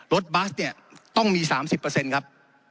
บัสเนี่ยต้องมี๓๐ครับ